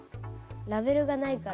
ラベルがないから。